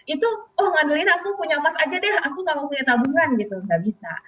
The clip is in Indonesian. itu oh ngandelin aku punya emas aja deh aku gak mau punya tabungan gitu nggak bisa